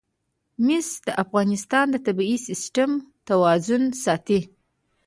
مس د افغانستان د طبعي سیسټم توازن ساتي.